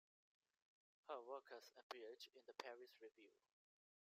Her work has appeared in the "Paris Review".